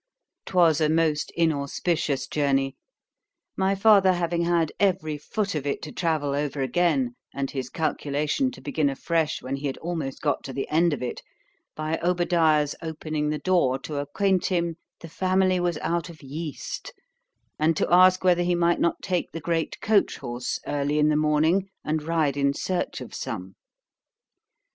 _ 'Twas a most inauspicious journey; my father having had every foot of it to travel over again, and his calculation to begin afresh, when he had almost got to the end of it, by Obadiah's opening the door to acquaint him the family was out of yeast—and to ask whether he might not take the great coach horse early in the morning and ride in search of some.